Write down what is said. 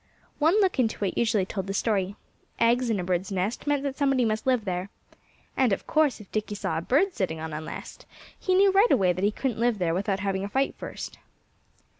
One look into it usually told the story. Eggs in a bird's nest meant that somebody must live there. And of course if Dickie saw a bird sitting on a nest he knew right away that he couldn't live there without having a fight first.